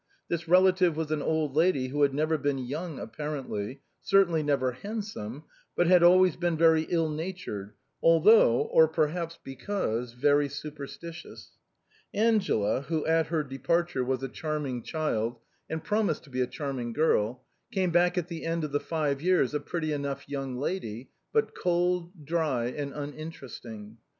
This relative was an old lady who had never been young ap parently — certainly never handsome, but had always been very ill natured, although — or perhaps because — very super stitious. Angela, who at her departure was a charming child, and promised to be a charming girl, came back at the end of five years a pretty enough young lady, but cold, dry and uninteresting.